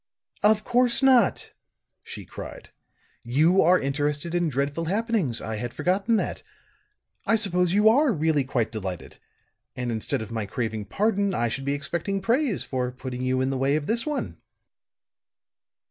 "Of course not," she cried. "You are interested in dreadful happenings I had forgotten that. I suppose you are really quite delighted; and instead of my craving pardon I should be expecting praise, for putting you in the way of this one."